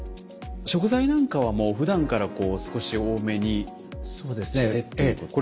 食材なんかはふだんから少し多めにしてということなんですね。